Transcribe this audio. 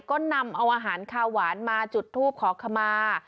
ก็นำเอาอาหารคาหวานมาจุดทูปขอขมา